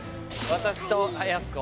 私とやす子